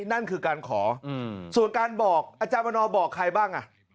นั่นคือการขอส่วนการบอกอาจารย์วันนอบอกใครบ้างอ่ะ